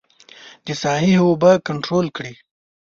د ساحې اوبه کنترول کړي.